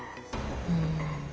うん。